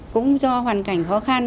cũng do hoàn cảnh khó khăn